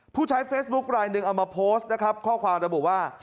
ผู้ใช้เฟซบุ๊คลายหนึ่งเอามาโพสต์นะครับข้อความระบุว่า